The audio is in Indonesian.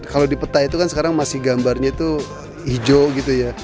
kalau di peta itu kan sekarang masih gambarnya itu hijau gitu ya